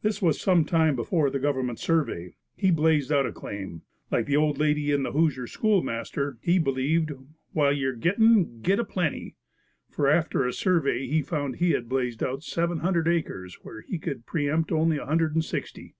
This was some time before the government survey. He blazed out a claim. Like the old lady in the Hoosier Schoolmaster, he believed "While ye're gittin', git a plenty" for after the survey he found he had blazed out seven hundred acres where he could pre empt only a hundred and sixty.